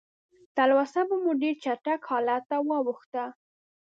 تلوسه به مو ډېر چټک حالت ته واوښته.